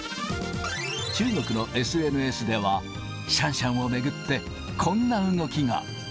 中国のＳＮＳでは、シャンシャンを巡って、こんな動きが。